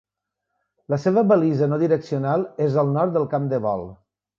La seva balisa no direccional és al nord del camp de vol.